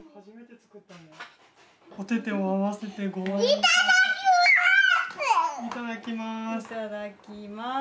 いただきます。